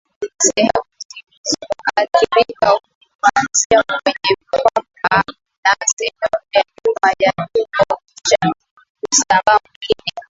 Sehemu zilizoathirika huanzia kwenye kwapa na sehemu ya nyuma ya tumbo kisha husambaa mwilini